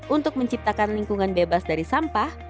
untuk menciptakan lingkungan bebas dari sampah